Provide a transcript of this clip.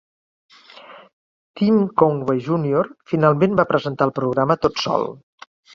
Tim Conway Junior finalment va presentar el programa tot sol.